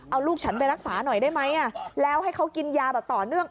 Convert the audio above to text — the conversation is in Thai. เอาลูกฉันไปรักษาหน่อยได้ไหมแล้วให้เขากินยาแบบต่อเนื่อง